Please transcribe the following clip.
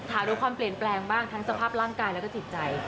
ถามดูความเปลี่ยนแปลงบ้างทั้งสภาพร่างกายแล้วก็จิตใจ